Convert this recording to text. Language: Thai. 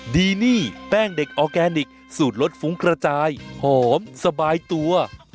ดีนี่แป้งเด็กออร์แกนิคสูตรรสฟุ้งกระจายหอมสบายตัว